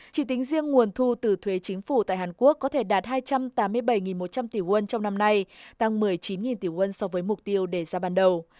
chỉ tính riêng nguồn thu từ thuế chính phủ tại hàn quốc có thể đạt hai trăm tám mươi bảy một trăm linh tỷ won trong năm nay tăng một mươi chín tỷ quân so với mục tiêu đề ra ban đầu